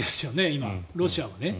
今、ロシアは。